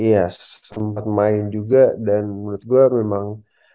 iya sempat main juga dan menurut gue memang